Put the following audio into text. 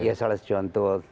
iya salah satu contoh